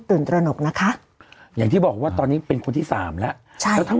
ตระหนกนะคะอย่างที่บอกว่าตอนนี้เป็นคนที่สามแล้วใช่แล้วทั้ง